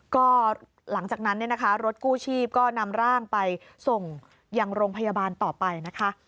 ก็หลังจากนั้นเนี่ยนะคะรถกู้ชีพก็นำร่างไปส่งยังโรงพยาบาลต่อไปนะคะ